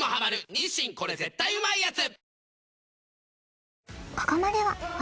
「日清これ絶対うまいやつ」